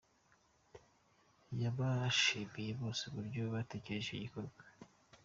Yabashimiye bose uburyo batekereje icyo gikorwa.